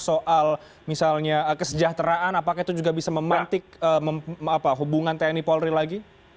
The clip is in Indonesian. soal misalnya kesejahteraan apakah itu juga bisa memantik hubungan tni polri lagi